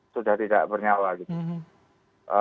sudah tidak bernyawa gitu